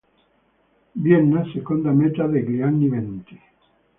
Vienna, seconda metà degli anni venti.